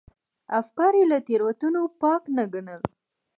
افکار یې له تېروتنو پاک نه ګڼل.